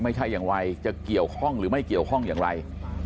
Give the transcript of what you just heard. ไม่ใช่อย่างไรจะเกี่ยวข้องหรือไม่เกี่ยวข้องอย่างไร